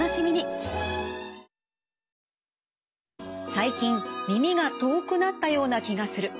最近耳が遠くなったような気がする。